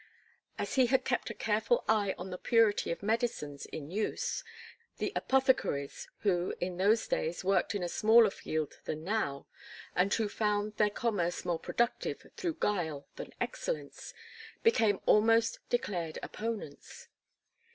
As he had kept a careful eye on the purity of medicines in use, the apothecaries, who, in those days worked in a smaller field than now, and who found their commerce more productive through guile than excellence, became almost declared opponents.